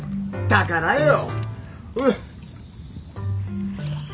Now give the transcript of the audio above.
だからよ。